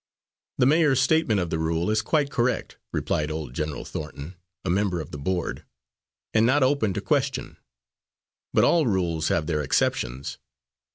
"The mayor's statement of the rule is quite correct," replied old General Thornton, a member of the board, "and not open to question. But all rules have their exceptions.